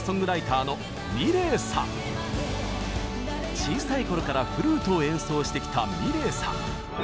ゲストは小さい頃からフルートを演奏してきたｍｉｌｅｔさん。